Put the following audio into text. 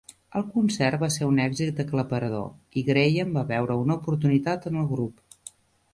El concert va ser un èxit aclaparador i Graham va veure una oportunitat en el grup.